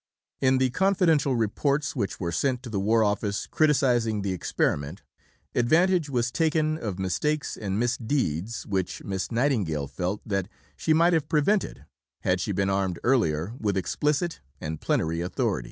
In the Confidential Reports which were sent to the War Office criticizing the experiment, advantage was taken of mistakes and misdeeds which Miss Nightingale felt that she might have prevented had she been armed earlier with explicit and plenary authority.